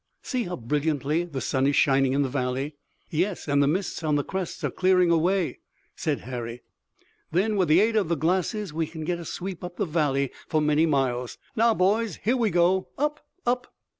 "See how brilliantly the sun is shining in the valley." "Yes, and the mists on the crests are clearing away," said Harry. "Then with the aid of the glasses we can get a sweep up the valley for many miles. Now boys, here we go! up! up!"